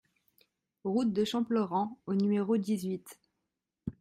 Route de Champlaurent au numéro dix-huit